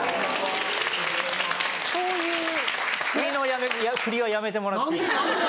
そういうふりはやめてもらっていいですか。